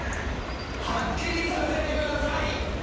はっきりさせてください！